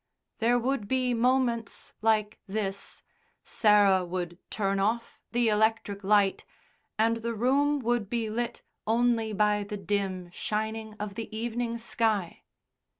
There would be moments like this, Sarah would turn off the electric light, and the room would be lit only by the dim shining of the evening sky.